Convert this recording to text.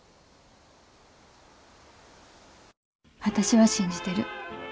私は信じてる。